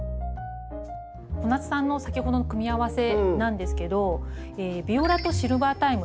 小夏さんの先ほどの組み合わせなんですけどビオラとシルバータイム。